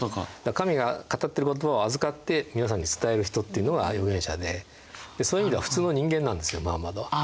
神が語ってる言葉を預かって皆さんに伝える人っていうのは預言者でそういう意味では普通の人間なんですよムハンマドは。